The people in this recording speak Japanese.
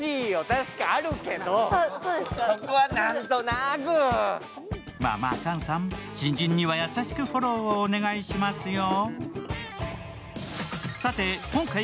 確かあるけどそこは何となくまあまあ菅さん、新人には優しくフォローをお願いしますよ。